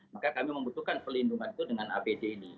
maka kami membutuhkan pelindungan itu dengan apd ini